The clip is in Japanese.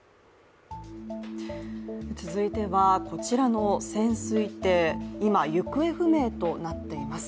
続いては、こちらの潜水艇、今、行方不明となっています。